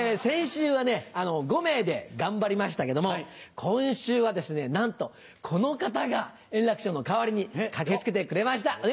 先週は５名で頑張りましたけども今週はですねなんとこの方が円楽師匠の代わりに駆け付けてくれました。